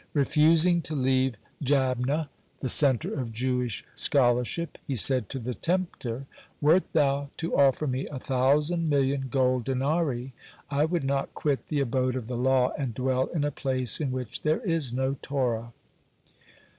Refusing to leave Jabneh, the centre of Jewish scholarship, he said to the tempter: "Wert thou to offer me a thousand million gold denarii, I would not quit the abode of the law, and dwell in a place in which there is no Torah."